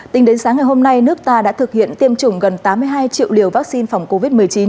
tính đến sáng ngày hôm nay nước ta đã thực hiện tiêm chủng gần tám mươi hai triệu liều vaccine phòng covid một mươi chín